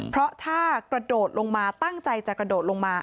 เพราะถ้ากระโดดลงมาตั้งใจจะกระโดดลงมา